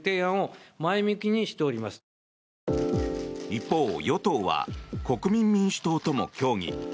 一方、与党は国民民主党とも協議。